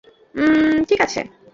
উমম, ঠিক আছে।